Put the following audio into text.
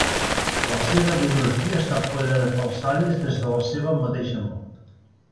La seva biografia ha estat plena de falsaris des de la seva mateixa mort.